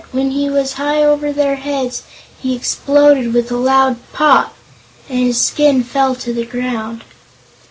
When he was high over their heads he exploded with a loud "pop" and his skin fell to the ground.